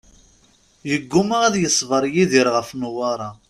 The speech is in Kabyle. Yeggumma ad yeṣber Yidir ɣef Newwara.